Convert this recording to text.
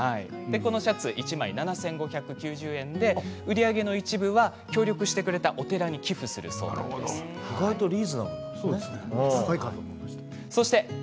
このシャツ１枚７５９０円で売り上げの一部は協力してくれたお寺に意外とリーズナブルなんですね。